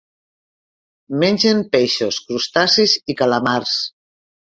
Mengen peixos, crustacis i calamars.